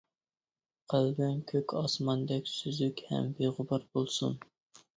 قەلبىڭ كۆك ئاسماندەك سۈزۈك ھەم بىغۇبار بولسۇن.